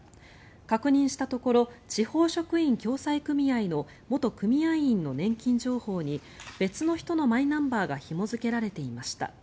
確認したところ地方職員共済組合の元組合員の年金情報に別の人のマイナンバーがひも付けられていました。